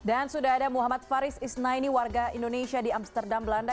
dan sudah ada muhammad faris isnaini warga indonesia di amsterdam belanda